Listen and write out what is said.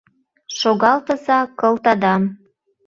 Шогалтыза кылтадам.